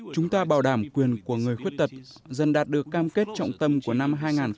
chúng ta bảo đảm quyền của người khuyết tật dần đạt được cam kết trọng tâm của năm hai nghìn hai mươi